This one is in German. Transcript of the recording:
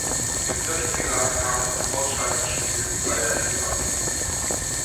Im Viertelfinale kam es zum Ausscheidungsspiel zweier Regionalligisten.